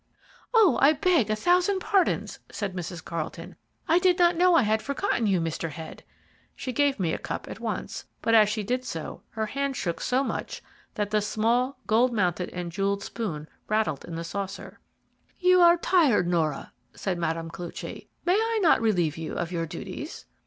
"Oh, I beg a thousand pardons," said Mrs. Carlton. "I did not know I had forgotten you, Mr. Head." She gave me a cup at once, but as she did so her hand shook so much that the small, gold mounted and jewelled spoon rattled in the saucer. "You are tired, Nora," said Mme. Koluchy; "may I not relieve you of your duties?"